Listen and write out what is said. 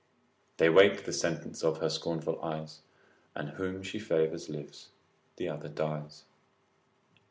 They wait the sentence of her scornful eyes; And whom she favours lives, the other dies.